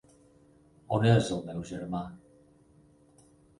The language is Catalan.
On és el meu germà?